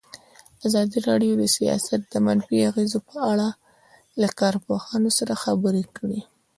ازادي راډیو د سیاست د منفي اغېزو په اړه له کارپوهانو سره خبرې کړي.